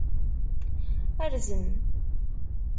Rrzem